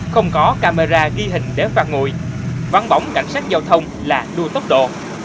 không có camera ghi hình để phạt ngùi văn bóng cảnh sát giao thông là đua tốc độ